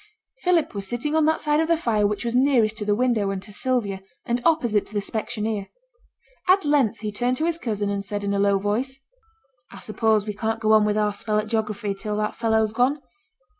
Philip was sitting on that side of the fire which was nearest to the window and to Sylvia, and opposite to the specksioneer. At length he turned to his cousin and said in a low voice 'I suppose we can't go on with our spell at geography till that fellow's gone?'